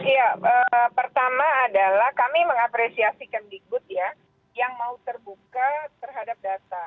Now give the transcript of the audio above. ya pertama adalah kami mengapresiasi kemdikbud ya yang mau terbuka terhadap data